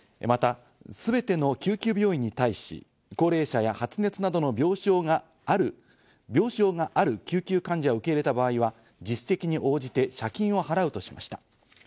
またすべての救急病院に対し、高齢者や発熱などの症状がある救急患者を受け入れた場合は実績に応じて謝金を払うとしました。